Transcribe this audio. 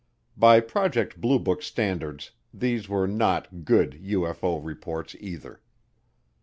By Project Blue Book standards, these were not "good" UFO reports either.